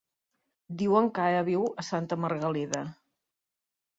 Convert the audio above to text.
Diuen que ara viu a Santa Margalida.